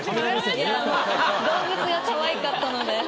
いやもう動物がかわいかったので。